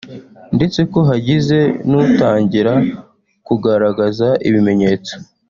ndetse ko hagize n’utangira kugaragaza ibimenyetso